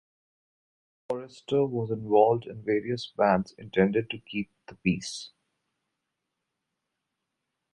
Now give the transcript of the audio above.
Forrester was involved in various bands intended to keep the peace.